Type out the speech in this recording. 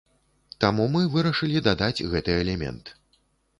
Таму мы вырашылі дадаць гэты элемент.